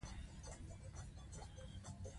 خج ته په انګلیسۍ کې اکسنټ وایي.